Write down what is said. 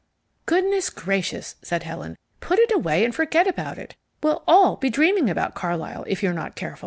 "Goodness gracious," said Helen, "put it away and forget about it. We'll all be dreaming about Carlyle if you're not careful."